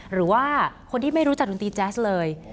หรือว่าคนที่ไม่รู้จักดนตรีแจ๊สเลย